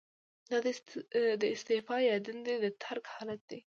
دا د استعفا یا دندې د ترک حالت دی.